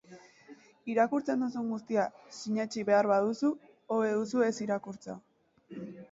Irakurtzen duzun guztia sinetsi behar baduzu, hobe duzu ez irakurtzea.